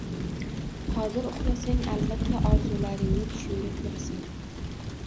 Hozir uxlasang, albatta, orzularingni tushingda ko`rasan